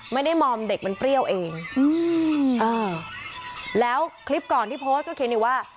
มอมเด็กมันเปรี้ยวเองอืมเออแล้วคลิปก่อนที่โพสต์ก็เขียนอีกว่า